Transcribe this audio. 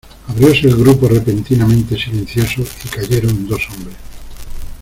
abrióse el grupo repentinamente silencioso, y cayeron dos hombres.